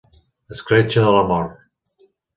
Escletxa de la mort